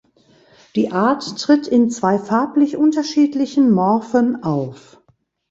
Die Art tritt in zwei farblich unterschiedlichen Morphen auf.